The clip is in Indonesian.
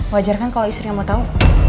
wajar kan kalau istri yang mau tau